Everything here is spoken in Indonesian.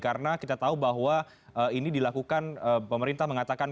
karena kita tahu bahwa ini dilakukan pemerintah mengatakan